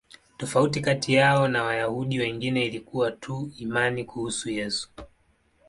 Tofauti kati yao na Wayahudi wengine ilikuwa tu imani kuhusu Yesu.